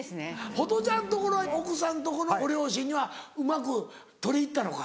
ホトちゃんところは奥さんとこのご両親にはうまく取り入ったのか？